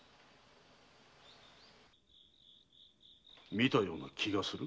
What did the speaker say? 見たような気がする？